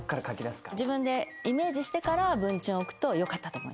自分でイメージしてから文鎮を置くとよかったと思います。